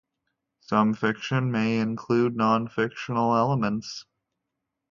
Some fiction may include nonfictional elements.